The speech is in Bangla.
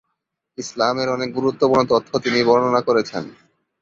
ইসলামের অনেক গুরুত্বপূর্ণ তথ্য তিনি বর্ণনা করেছেন।